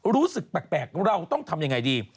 รู้สึกแปลกเราต้องทำยังไงดี